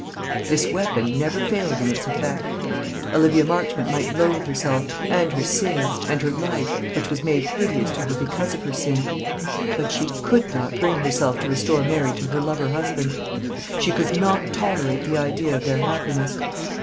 This weapon never failed in its effect. Olivia Marchmont might loathe herself, and her sin, and her life, which was made hideous to her because of her sin; but she could not bring herself to restore Mary to her lover husband; she could not tolerate the idea of their happiness.